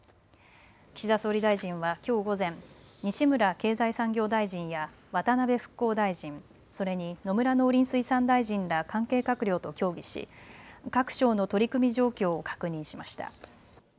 岸田総理大臣はきょう午前、西村経済産業大臣や渡辺復興大臣、それに野村農林水産大臣ら関係閣僚と協議し、各省の取り組み状況を確認しました。